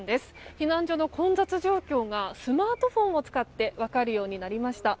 避難所の混雑状況がスマートフォンを使って分かるようになりました。